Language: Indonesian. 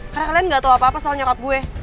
karena kalian gak tau apa apa soal nyokap gue